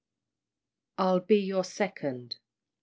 "I'll be your second."